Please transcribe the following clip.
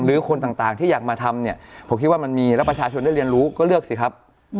คนต่างที่อยากมาทำเนี่ยผมคิดว่ามันมีแล้วประชาชนได้เรียนรู้ก็เลือกสิครับ